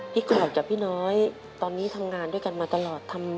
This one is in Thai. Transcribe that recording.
กรดกับพี่น้อยตอนนี้ทำงานด้วยกันมาตลอด